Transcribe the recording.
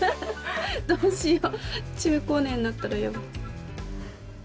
どうしよう中高年になったらやば。